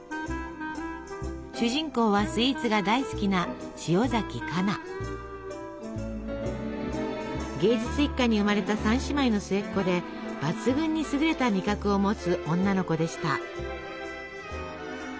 主人公はスイーツが大好きな芸術一家に生まれた三姉妹の末っ子で抜群に優れた味覚を持つ女の子でした。